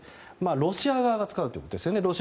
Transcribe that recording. ロシア側が使うということですね。